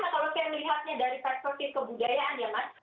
kalau saya melihatnya dari perspektif kebudayaan ya mas